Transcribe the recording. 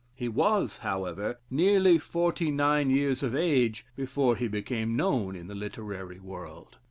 He was, however, nearly forty nine years of age before he became known in the literary world.